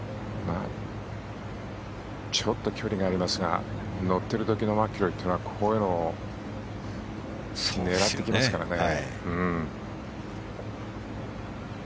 ちょっと距離がありますが乗っている時のマキロイはこういうの狙ってきますからね。